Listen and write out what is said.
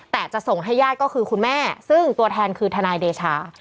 แต่จะส่งให้ญาติก็คือคุณแม่ซึ่งตัวแทนคือทนายเดชา